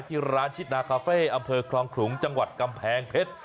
ที่ร้านชิดนาคาเฟ่อำเภอคลองขลุงจังหวัดกำแพงเพชร